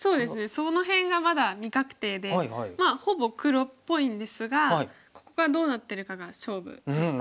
その辺がまだ未確定でまあほぼ黒っぽいんですがここがどうなってるかが勝負でした。